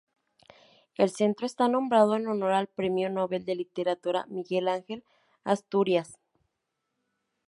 El centro está nombrado en honor al Premio Nobel de Literatura Miguel Ángel Asturias.